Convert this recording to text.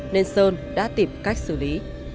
nên sơn đã tìm cách xử lý